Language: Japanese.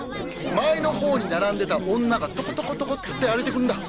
前の方に並んでた女がトコトコトコって歩いてくんだ。